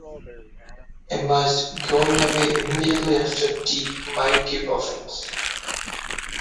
Emma's going away immediately after tea might give offence.